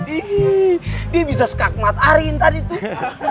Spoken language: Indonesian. ih dia bisa skakmat arin tadi tuh